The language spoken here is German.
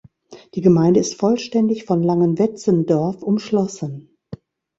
Die Gemeinde ist vollständig von Langenwetzendorf umschlossen.